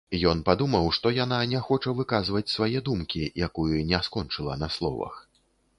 Ён падумаў, што яна не хоча выказваць свае думкі, якую не скончыла на словах.